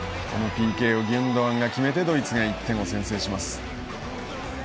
ＰＫをギュンドアンが決めてドイツが１点先制します。